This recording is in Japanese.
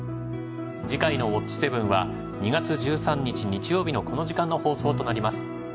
次回の『ウオッチ！７』は２月１３日日曜日のこの時間の放送となります。